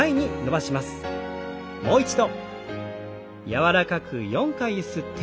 柔らかくゆすって。